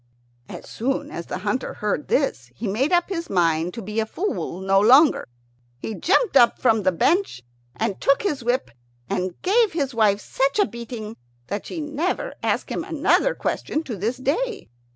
As soon as the hunter heard this he made up his mind to be a fool no longer. He jumped up from the bench, and took his whip and gave his wife such a beating that she never asked him another question to this day.